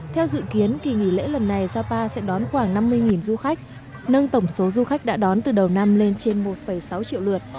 theo dự kiến kỳ nghỉ lễ lần này sapa sẽ đón khoảng năm mươi du khách nâng tổng số du khách đã đón từ đầu năm lên trên một sáu triệu lượt